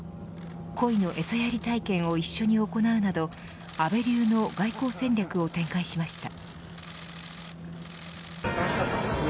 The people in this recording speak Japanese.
鯉のえさやり体験を一緒に行うなど安倍流の外交戦略を展開しました。